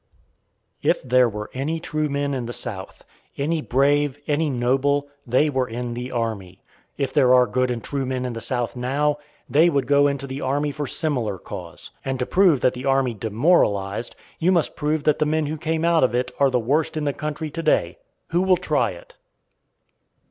If there were any true men in the South, any brave, any noble, they were in the army. If there are good and true men in the South now, they would go into the army for similar cause. And to prove that the army demoralized, you must prove that the men who came out of it are the worst in the country to day. Who will try it?